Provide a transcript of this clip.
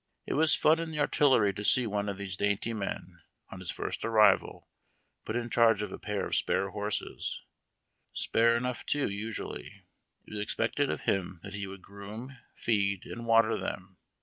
It was fun in the artillery to see one of these dainty nien, on his first arrival, put in charge of a pair of spare horses, — spare enough, too, usually. It was expected of him that he would groom, feed, and water them.